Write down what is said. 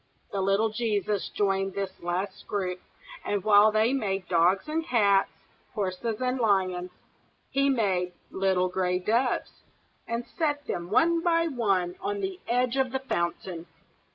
The little Jesus joined this last group, and while they made dogs and cats, horses and lions, he made little gray doves, and set them one by one on the edge of the fountain.